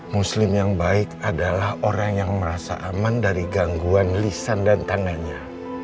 muslim yang baik adalah orang yang merasa aman dari gangguan lisan dan tandanya